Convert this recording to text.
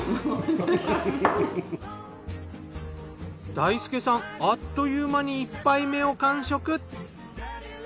大輔さんあっという間に１杯目を完食。